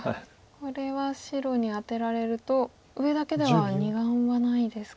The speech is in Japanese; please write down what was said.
これは白にアテられると上だけでは２眼はないですか。